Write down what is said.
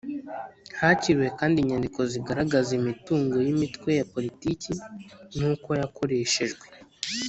hakiriwe kandi inyandiko zigaragaza imitungo y’imitwe ya politiki n’uko yakoreshejwe,